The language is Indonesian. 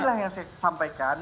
inilah yang saya sampaikan